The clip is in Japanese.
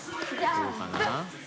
どうかな？